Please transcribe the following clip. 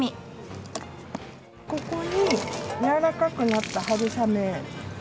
ここにやわらかくなった春雨。